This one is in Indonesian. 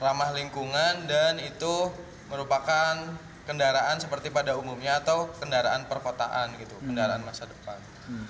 ramah lingkungan dan itu merupakan kendaraan seperti pada umumnya atau kendaraan perkotaan gitu kendaraan masa depan